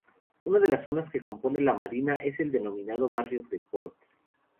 Una de las zonas que compone la Marina es el denominado barrio de Port.